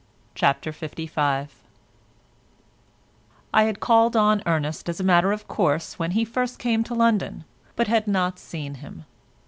CHAPTER LV I had called on Ernest as a matter of course when he first came to London, but had not seen him.